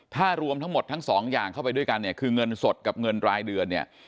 ถ้ารวมทั้งหมดทั้งสองอย่างเข้าไปด้วยกันเนี่ยคือเงินสดกับเงินรายเดือนเนี่ย